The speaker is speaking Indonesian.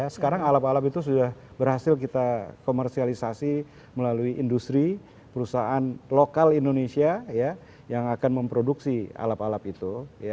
sekarang alap alap itu sudah berhasil kita komersialisasi melalui industri perusahaan lokal indonesia yang akan memproduksi alap alap itu